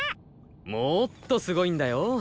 もっとすごいんだよ。